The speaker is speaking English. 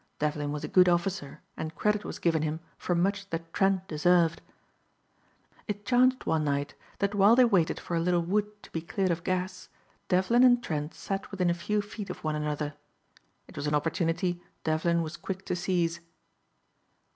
Devlin was a good officer and credit was given him for much that Trent deserved. It chanced one night that while they waited for a little wood to be cleared of gas, Devlin and Trent sat within a few feet of one another. It was an opportunity Devlin was quick to seize.